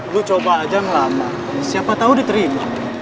lo coba aja ngelamar siapa tahu diterima